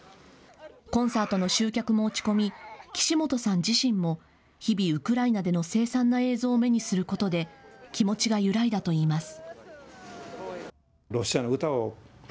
コンサートの集客も落ち込み岸本さん自身も日々、ウクライナでの凄惨な映像を目にすることで気持ちが揺らいだといいます。